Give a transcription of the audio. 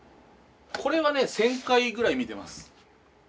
これはね１，０００回ぐらい見てます。